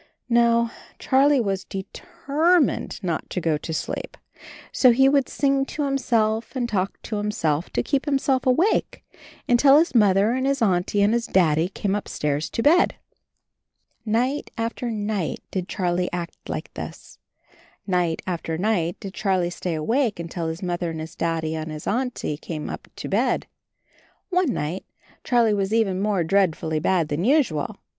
No, Charlie was de ter mined not to go to sleep. So he would AND HIS KITTEN TOPSY 77 sing to himself and talk to himself, to keep himself awake until his Mother and his Auntie and his Daddy came upstairs to bed. Night after night did Charlie act like this. Night after night did Charlie stay awake until his Mother and his Daddy and his Auntie came up to bed. One night Charlie was even more dread fully bad than usual.